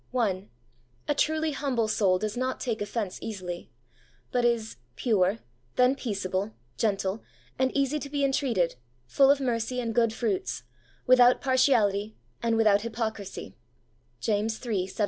I. A truly humble soul does not take offence easily, but is ' pure, then peaceable. HOLINESS AND HUMILITY 55 gentle, and easy to be entreated, full of mercy and good fruits, without partiality, and without hypocrisy' (James iii. 17).